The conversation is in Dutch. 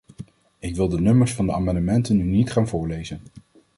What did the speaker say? Ik wil de nummers van de amendementen nu niet gaan voorlezen.